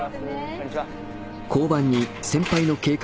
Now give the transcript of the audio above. こんにちは。